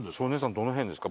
どの辺ですか？